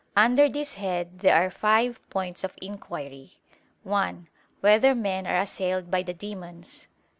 Under this head there are five points of inquiry: (1) Whether men are assailed by the demons?